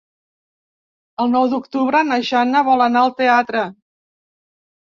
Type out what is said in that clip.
El nou d'octubre na Jana vol anar al teatre.